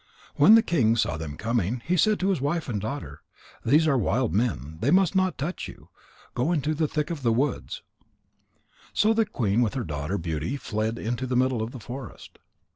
When the king saw them coming, he said to his wife and daughter: "These are wild men. They must not touch you. Go into the thick woods." So the queen with her daughter Beauty fled in fear into the middle of the forest.